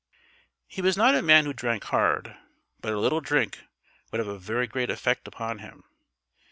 He was not a man who drank hard, but a little drink would have a very great effect upon him.